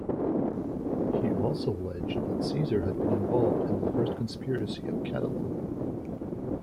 He also alleged that Caesar had been involved in the first conspiracy of Catiline.